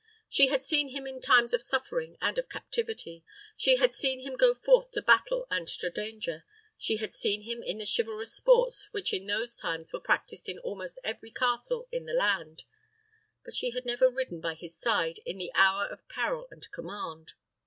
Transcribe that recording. She had seen him in times of suffering and of captivity; she had seen him go forth to battle and to danger; she had seen him in the chivalrous sports which in those times were practiced in almost every castle in the land; but she had never ridden by his side in the hour of peril and command.